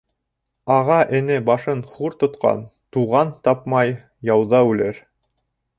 Аға-эне башын хур тотҡан -Туған тапмай яуҙа үлер.